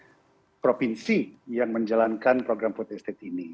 ada beberapa provinsi yang menjalankan program putus state ini